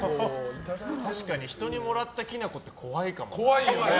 確かに人にもらったきな粉って怖いかもね。